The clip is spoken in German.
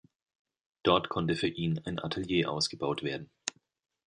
Dort konnte für ihn ein Atelier ausgebaut werden.